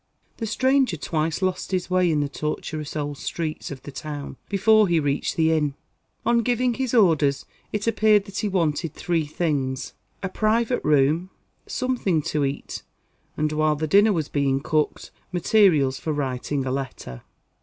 The stranger twice lost his way in the tortuous old streets of the town before he reached the inn. On giving his orders, it appeared that he wanted three things: a private room, something to eat, and, while the dinner was being cooked, materials for writing a letter.